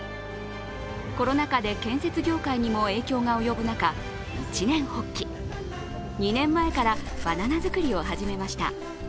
コロナ禍で建設業界にも影響が及ぶ中一念発起、２年前からバナナ作りを始めました。